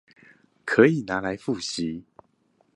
可以拿來複習